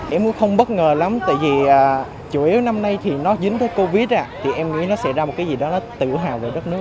em cũng không bất ngờ lắm tại vì chủ yếu năm nay thì nó dính tới covid à thì em nghĩ nó sẽ ra một cái gì đó tự hào về đất nước